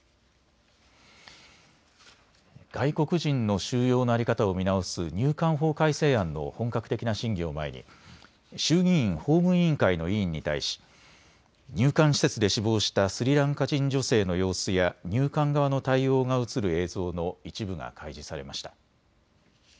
外国人の収容の在り方を見直す入管法改正案の本格的な審議を前に衆議院法務委員会の委員に対し、入管施設で死亡したスリランカ人女性の様子や入管側の対応が写る映像の一部が開示されました。